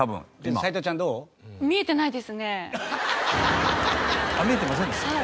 あっ見えてませんでした？